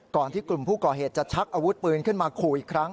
ก่อนที่กลุ่มผู้ก่อเหตุจะชักอาวุธปืนขึ้นมาขู่อีกครั้ง